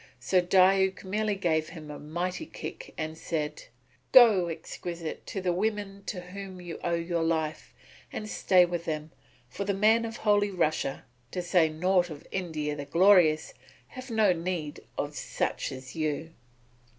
So Diuk merely gave him a mighty kick and said: "Go, Exquisite, to the women to whom you owe your life, and stay with them; for the men of Holy Russia, to say naught of India the Glorious, have no need of such as you."